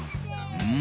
うん？